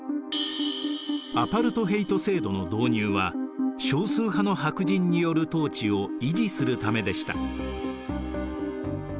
アパルトヘイト制度の導入は少数派の白人による統治を維持するためでした。